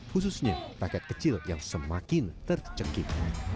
khususnya rakyat kecil yang semakin tercekik